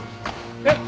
えっ？